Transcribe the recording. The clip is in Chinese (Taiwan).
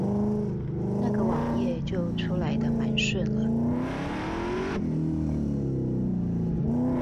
那個網頁就出來的蠻順了